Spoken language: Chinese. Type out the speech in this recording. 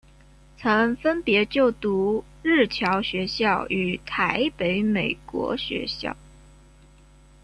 曾分别就读日侨学校与台北美国学校。